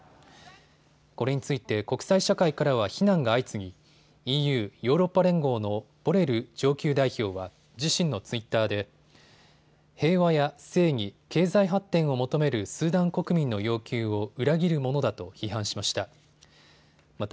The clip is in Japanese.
これについて国際社会からは非難が相次ぎＥＵ・ヨーロッパ連合のボレル上級代表は自身のツイッターで平和や正義、経済発展を求めるスーダン国民の要求を裏切るものだと批判しました。